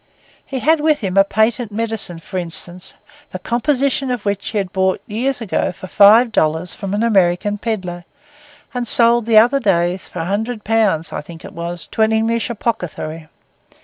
He had with him a patent medicine, for instance, the composition of which he had bought years ago for five dollars from an American pedlar, and sold the other day for a hundred pounds (I think it was) to an English apothecary.